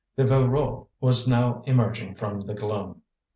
The Voreux was now emerging from the gloom.